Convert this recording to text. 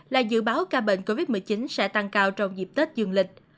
là dự báo ca bệnh covid một mươi chín sẽ tăng cao trong dịp tết dương lịch